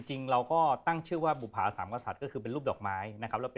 จริงเราก็ตั้งชื่อว่าบุภาสามกษัตริย์ก็คือเป็นรูปดอกไม้นะครับ